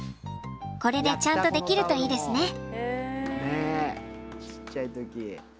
これでちゃんとできるといいですね。